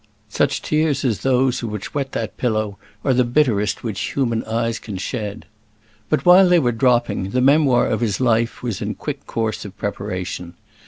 Such tears as those which wet that pillow are the bitterest which human eyes can shed. But while they were dropping, the memoir of his life was in quick course of preparation.